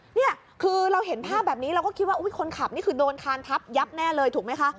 นี่คือเราเห็นภาพแบบนี้เราก็คิดว่าคนขับนี่คือโดนคานทับยับแน่เลยถูกไหมคะ